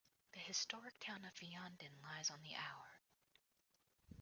The historic town of Vianden lies on the Our.